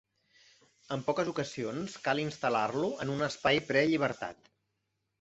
En poques ocasions cal instal·lar-lo en un espai prellibertat.